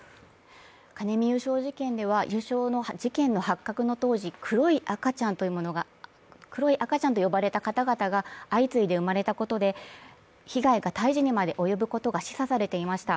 カネミ油症事件では油症の事件の発覚の当時、黒い赤ちゃんと呼ばれた方々が相次いで生まれたことで被害が胎児にまで及ぶことが示唆されていました。